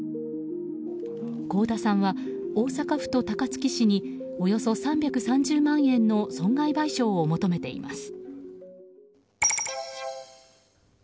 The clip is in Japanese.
好田さんは、大阪府と高槻市におよそ３３０万円の損害賠償を求めています。